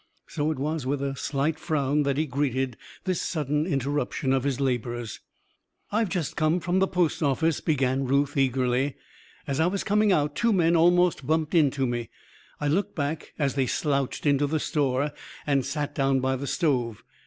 So it was with a slight frown that he greeted this sudden interruption of his labours. "I've just come from the post office!" began Ruth eagerly. "As I was coming out two men almost bumped into me. I looked back, as they slouched into the store and sat down by the stove.